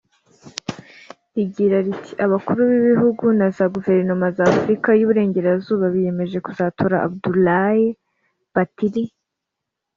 rigira riti ‘‘Abakuru b’ibihugu na za guverinoma za Afurika y’u Burengerazuba biyemeje kuzatora Abdoulaye Bathily